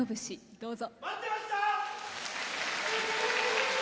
どうぞ。